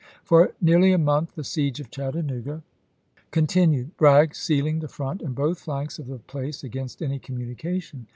For nearly a month the siege of Chattanooga con tinued, Bragg sealing the front and both flanks of the place against any communication.